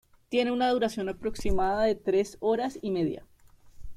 Tiene una duración aproximada de tres horas y media.